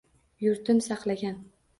Yurtin saqlagan.